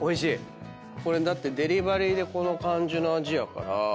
これだってデリバリーでこの感じの味やから。